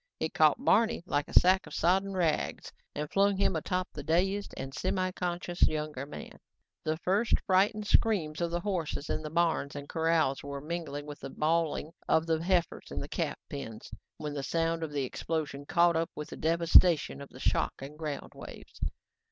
It caught Barney like a sack of sodden rags and flung him atop the dazed and semiconscious younger man. The first frightened screams of the horses in the barns and corrals were mingling with the bawling of the heifers in the calf pens when the sound of the explosion caught up with the devastation of the shock and ground waves.